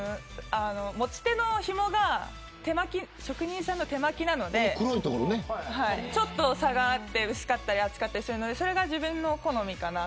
持ち手のひもは職人さんの手巻きなのでちょっと差があって薄かったり厚かったりするのでそれが自分の好みかなと。